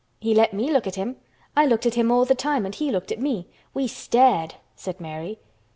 "He let me look at him. I looked at him all the time and he looked at me. We stared!" said Mary.